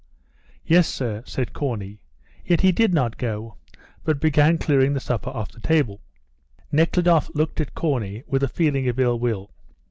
"Yes, sir," said Corney, yet he did not go, but began clearing the supper off the table. Nekhludoff looked at Corney with a feeling of ill will.